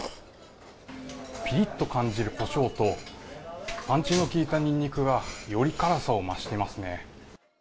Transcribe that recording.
ぴりっと感じるこしょうと、パンチのきいたニンニクが、より辛さを増してますね。